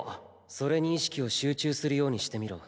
それに意識を集中するようにしてみろ。